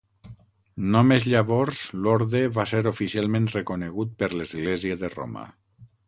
Només llavors, l'orde va ser oficialment reconegut per l'església de Roma.